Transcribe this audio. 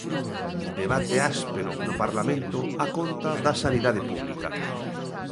Debate áspero no Parlamento á conta da Sanidade pública.